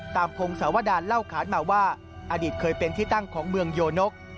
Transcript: พงศาวดานเล่าขานมาว่าอดีตเคยเป็นที่ตั้งของเมืองโยนก